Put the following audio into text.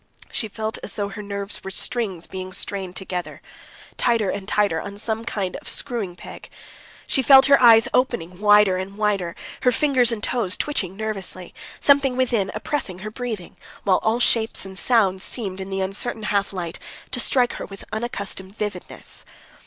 She felt as though her nerves were strings being strained tighter and tighter on some sort of screwing peg. She felt her eyes opening wider and wider, her fingers and toes twitching nervously, something within oppressing her breathing, while all shapes and sounds seemed in the uncertain half light to strike her with unaccustomed vividness.